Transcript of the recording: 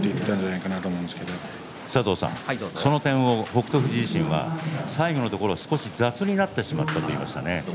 その点を北勝富士自身は最後のところ少し雑になってしまったと言っていました。